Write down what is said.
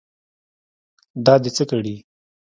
دا دې څه کړي.